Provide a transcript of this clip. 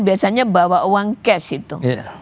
biasanya bawa uang cash itu